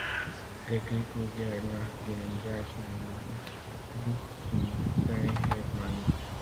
Gedreht wurde er nach dem gleichnamigen Buch von Kai Hermann.